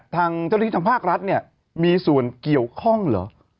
ทางเจ้าหน้าที่ทางภาครัฐเนี่ยมีส่วนเกี่ยวข้องเหรอ